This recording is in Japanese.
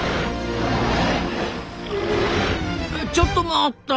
ちょっと待った！